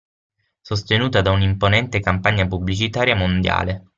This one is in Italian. Sostenuta da un'imponente campagna pubblicitaria mondiale.